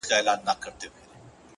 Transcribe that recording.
خپل ذهن د شک زندان مه جوړوئ